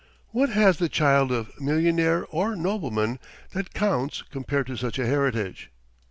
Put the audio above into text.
What has the child of millionaire or nobleman that counts compared to such a heritage?